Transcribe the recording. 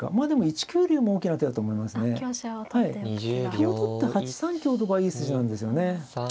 香を取って８三香とかはいい筋なんですよね。